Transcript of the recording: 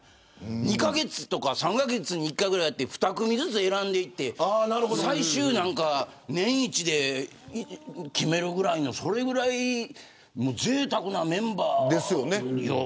２カ月とか３カ月に１回ぐらいやって２組ずつ選んでいって最終年１で決めるぐらいのそれぐらいぜいたくなメンバーよ。